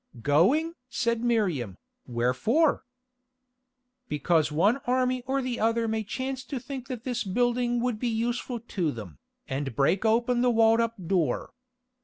"Going?" said Miriam, "wherefore?" "Because one army or the other may chance to think that this building would be useful to them, and break open the walled up door.